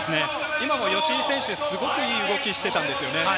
吉井選手、すごくいい動きをしていたんですよね。